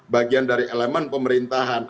bagian dari elemen pemerintahan